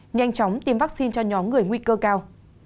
nhanh chóng tiêm vaccine cho nhóm người nguy cơ cao